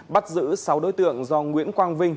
bắt giữ sáu đối tượng do nguyễn quang vinh